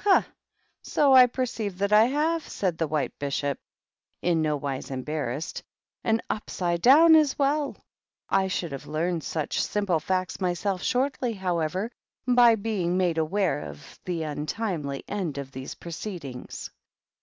" Ha ! So I perceive that I have," said th White Bishop, in no wise embarrassed ;" an upside down as well. I should have learned sue simple facts myself shortly, however, by bein THE GREAT OCCASION. 245 made aware of the untimely end of these pro ceedings."